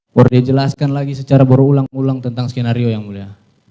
baru dijelaskan lagi secara baru ulang ulang tentang skenario ya mulia